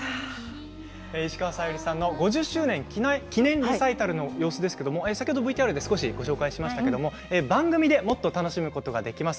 石川さゆりさんの５０周年記念リサイタルの様子をＶＴＲで先ほどご紹介しましたが番組でもっと楽しむことができます。